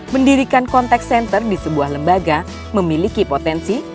mendirikan kontak senter di sebuah lembaga memiliki potensi